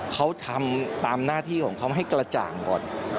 เขาทำตามหน้าที่ของเขาให้กระจ่างก่อน